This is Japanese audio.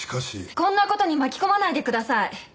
こんな事に巻き込まないでください。